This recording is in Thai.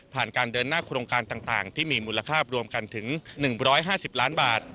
การเดินหน้าโครงการต่างที่มีมูลค่ารวมกันถึง๑๕๐ล้านบาท